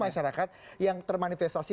masyarakat yang termanifestasi